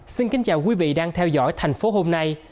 xin kính chào quý vị đang theo dõi thành phố hôm nay